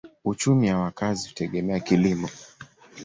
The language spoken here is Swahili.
Uchumi ya wakazi hutegemea kilimo.